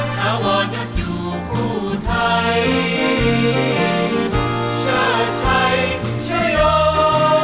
ถ้าว่านั้นอยู่คู่ไทยเชิญชัยเชิญยอม